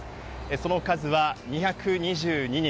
その数は２２２人。